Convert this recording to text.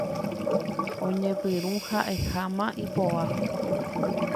Oñepyrũ ha'eháma ipo'a.